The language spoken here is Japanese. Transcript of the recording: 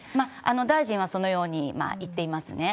大臣はそのように言っていますね。